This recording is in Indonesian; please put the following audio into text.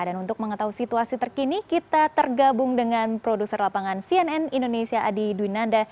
dan untuk mengetahui situasi terkini kita tergabung dengan produser lapangan cnn indonesia adi dunanda